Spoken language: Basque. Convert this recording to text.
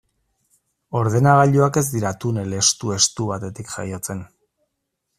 Ordenagailuak ez dira tunel estu-estu batetik jaiotzen.